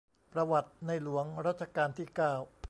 ประวัติในหลวงรัชกาลที่เก้า